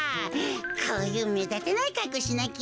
こういうめだたないかっこうしなきゃ。